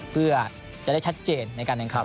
เพื่อจะได้ชัดเจนในการแข่งขัน